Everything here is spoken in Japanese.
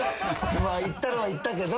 行ったのは行ったけど。